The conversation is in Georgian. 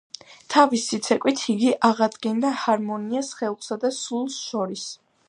თავისი ცეკვით იგი აღადგენდა ჰარმონიას სხეულსა და სულს შორის.